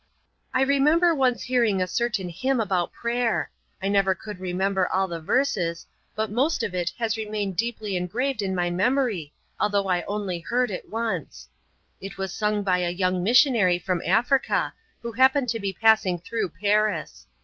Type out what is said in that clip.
"I remember once hearing a certain hymn about prayer. I never could remember all the verses, but most of it has remained deeply engraved in my memory although I only heard it once. It was sung by a young missionary from Africa who happened to be passing through Paris.